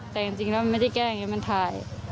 แต่จริงแล้วมันไม่ได้แก้อย่างนี้มันถ่าย